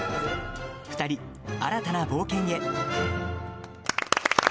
２人、新たな冒険へ。